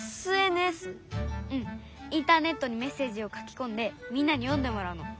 うんインターネットにメッセージを書きこんでみんなに読んでもらうの。